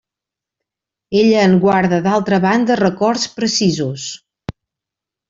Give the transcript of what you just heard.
Ella en guarda d'altra banda records precisos.